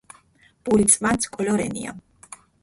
ბული წვანც კოლო რენია